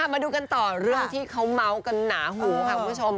มาดูกันต่อเรื่องที่เขาเมาส์กันหนาหูค่ะคุณผู้ชม